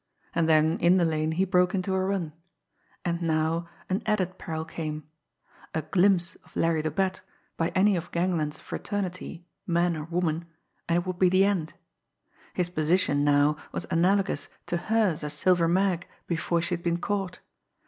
And then, in the lane, he broke into a run. And now, an added peril came a glimpse of Larry the Bat by any of gangland's fraternity, man or woman, and it would be the end! His position now was analogous to hers as Silver Mag before she had been caught!